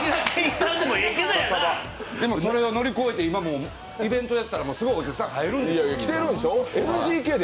でも、それを乗り越えて、今イベントやったら、すごいお客さん入るんですよ。